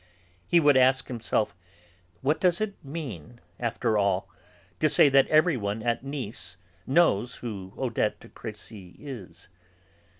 He would ask himself: "What does it mean, after all, to say that everyone at Nice knows who Odette de Crécy is?